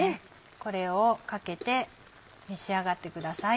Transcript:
これをかけて召し上がってください。